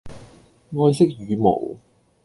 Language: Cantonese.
愛惜羽毛